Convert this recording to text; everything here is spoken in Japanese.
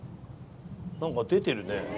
何か出てるね。